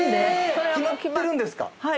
決まってるんですか？